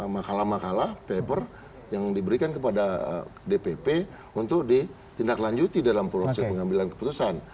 makalah makalah paper yang diberikan kepada dpp untuk ditindaklanjuti dalam proses pengambilan keputusan